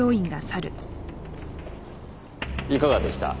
いかがでした？